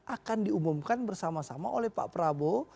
akan diumumkan bersama sama oleh pak prabowo